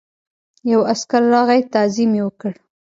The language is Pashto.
یو عسکر راغی تعظیم یې وکړ.